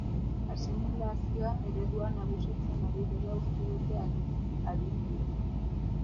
Asimilazio eredua nagusitzen ari dela uste dute adituek.